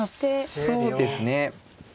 まあそうですね。